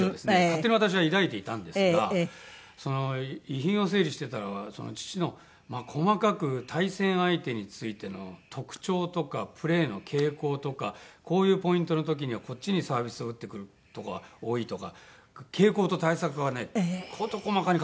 勝手に私は抱いていたんですが遺品を整理してたら父の細かく対戦相手についての特徴とかプレーの傾向とかこういうポイントの時にはこっちにサービスを打ってくるとか多いとか傾向と対策がね事細かに書いてあったんですよ。